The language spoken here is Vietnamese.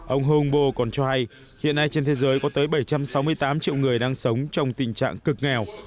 ông hongbo còn cho hay hiện nay trên thế giới có tới bảy trăm sáu mươi tám triệu người đang sống trong tình trạng cực nghèo